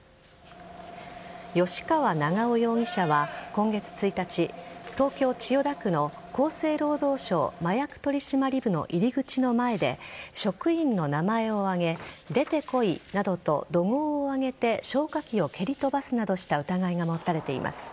吉川長男容疑者は今月１日東京・千代田区の厚生労働省麻薬取締部の入り口の前で職員の名前を挙げ出てこいなどと怒号を上げて消火器を蹴り飛ばすなどした疑いが持たれています。